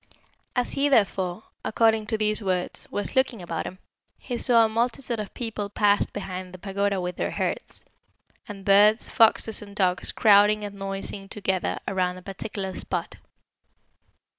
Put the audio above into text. "As he, therefore, according to these words, was looking about him, he saw a multitude of people pass behind the pagoda with their herds; and birds, foxes, and dogs crowding and noising together around a particular spot.